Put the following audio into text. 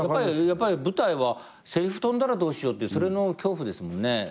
やっぱり舞台はせりふ飛んだらどうしようってそれの恐怖ですもんね。